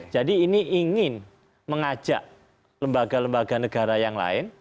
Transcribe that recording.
jadi ini ingin mengajak lembaga lembaga negara yang lain